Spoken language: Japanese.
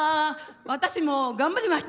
私も頑張りました！